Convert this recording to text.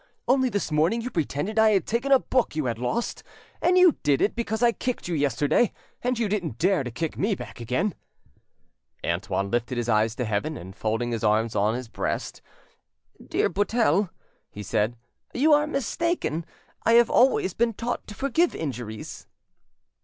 —only this morning you pretended I had taken a book you had lost, and you did it because I kicked you yesterday, and you didn't dare to kick me back again." Antoine lifted his eyes to heaven, and folding his arms on his breast— "Dear Buttel," he said, "you are mistaken; I have always been taught to forgive injuries."